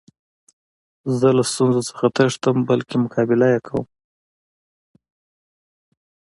زه له ستونزو څخه تښتم؛ بلکي مقابله ئې کوم.